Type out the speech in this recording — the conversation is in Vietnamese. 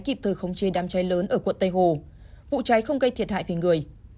kịp thời không chê đám cháy lớn ở quận tây hồ vụ cháy không gây thiệt hại về người